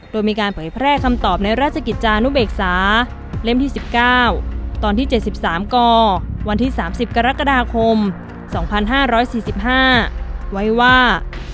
โดยมีการเผยแพร่คำตอบในราชกิจจานุเบกษาเล่มที่๑๙ตอนที่๗๓กวันที่๓๐กรกฎาคม๒๕๔๕ไว้ว่า